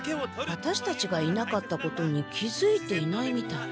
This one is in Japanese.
ワタシたちがいなかったことに気づいていないみたい。